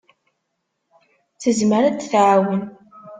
Tezmer ad d-tɛawen.